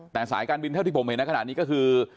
แต่สายการบินเท่าที่ผมเห็นในขณะนี้ก็คือ